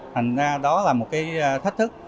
thành ra đó là một thách thức